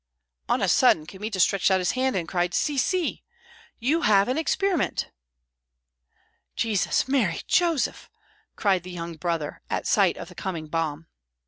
On a sudden Kmita stretched out his hand and cried, "See, see! you have an experiment." "Jesus! Mary! Joseph!" cried the young brother, at sight of the coming bomb.